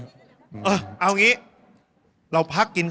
เวลาดีเล่นหน่อยเล่นหน่อย